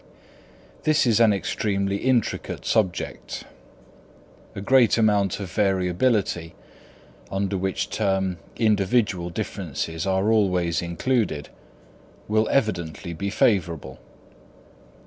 _ This is an extremely intricate subject. A great amount of variability, under which term individual differences are always included, will evidently be favourable.